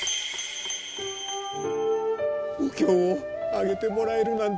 お経をあげてもらえるなんて。